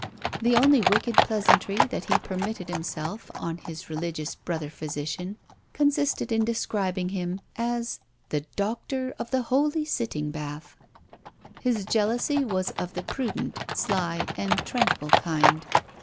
The only wicked pleasantry that he permitted himself on his religious brother physician consisted in describing him as "the doctor of the Holy Sitting Bath." His jealousy was of the prudent, sly, and tranquil kind.